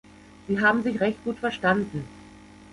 Sie haben sich recht gut verstanden.